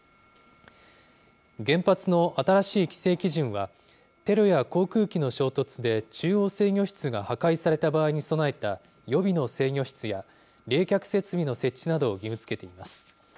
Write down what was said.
原発の新しい規制基準は、テロや航空機の衝突で中央制御室が破壊された場合に備えた予備の制御室や、冷却設備の設置などを義務づけています。